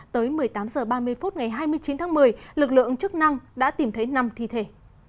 tới một mươi tám h ba mươi phút ngày hai mươi chín tháng một mươi lực lượng chức năng đã tìm thấy năm thi thể